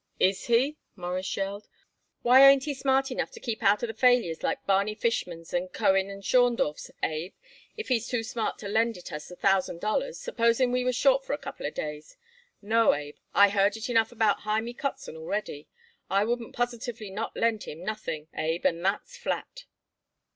"Is he?" Morris yelled. "Well, he ain't smart enough to keep out of failures like Barney Fischman's and Cohen & Schondorf's, Abe, but he's too smart to lend it us a thousand dollars, supposing we was short for a couple of days. No, Abe, I heard it enough about Hymie Kotzen already. I wouldn't positively not lend him nothing, Abe, and that's flat."